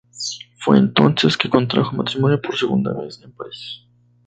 Fue entonces que contrajo matrimonio por segunda vez, en París.